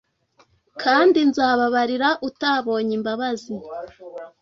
kandi nzababarira utabonye imbabazi.